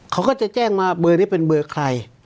เขาก็จะแจ้งมาเบอร์นี้เป็นเบอร์ใคร